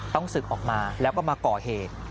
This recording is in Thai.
ศึกออกมาแล้วก็มาก่อเหตุ